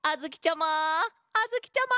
あづきちゃま！